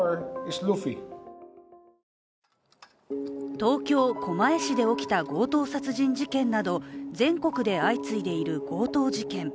東京・狛江市で起きた強盗殺人事件など全国で相次いでいる強盗事件。